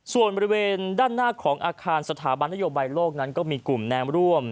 ส่วนบริเวณด้านหน้าของอาคารสถาบันนโยบายโลกนั้นก็มีกลุ่มแนมร่วม